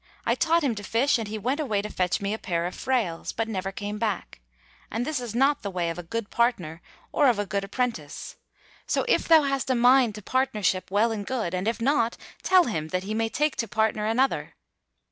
I taught him to fish and he went away to fetch me a pair of frails, but never came back: and this is not the way of a good partner or of a good apprentice.' So, if thou hast a mind to partnership, well and good; and if not, tell him, that he may take to partner another."